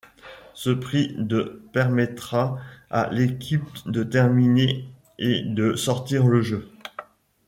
Ce prix de permettra à l'équipe de terminer et de sortir le jeu.